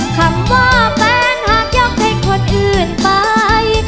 คำว่าแฟนหากยกให้คนอื่นไป